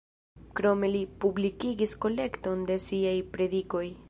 Krome li publikigis kolekton de siaj predikoj.